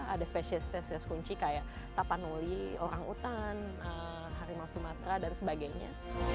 ada spesies spesies kunci kayak tapanuli orangutan harimau sumatera dan sebagainya